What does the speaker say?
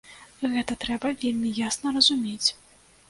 Гэта трэба вельмі ясна разумець.